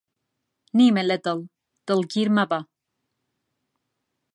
نیمە لە دڵ، دڵگیر مەبە